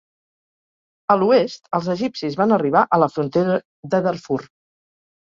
A l"oest, els egipcis van arribar a la frontera de Darfur.